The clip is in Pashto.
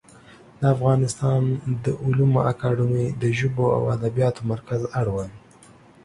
د افغانستان د علومو اکاډمي د ژبو او ادبیاتو مرکز اړوند